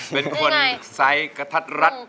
เป็นคนไซส์กระทัดรัด